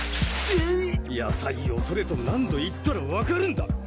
野菜をとれと何度言ったらわかるんだ！